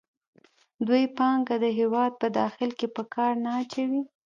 دوی پانګه د هېواد په داخل کې په کار نه اچوي